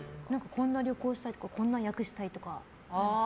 こんな旅行したいとかこんな役したいとかないですか？